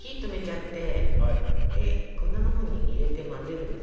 で粉のほうに入れて混ぜるんです。